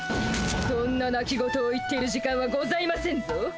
そんななき言を言っている時間はございませんぞ。